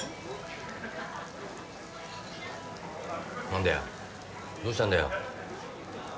何だよどうしたんだよ。